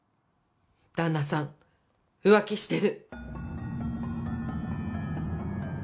旦那さん、浮気してる。